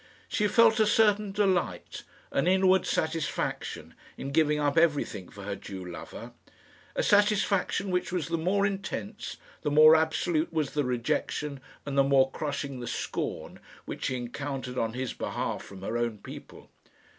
She felt a certain delight, an inward satisfaction, in giving up everything for her Jew lover a satisfaction which was the more intense, the more absolute was the rejection and the more crushing the scorn which she encountered on his behalf from her own people.